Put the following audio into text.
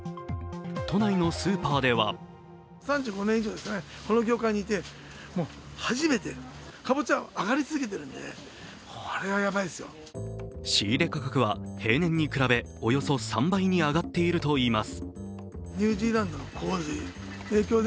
都内のスーパーでは仕入れ価格は平年に比べおよそ３倍に上がっているといいます。